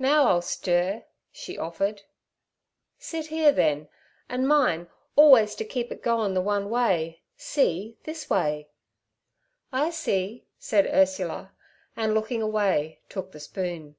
'Now I'll stir' she offered. 'Sit here, then, an' min' always ter keep it goin' the one way. See, this way.' 'I see' said Ursula, and looking away, took the spoon.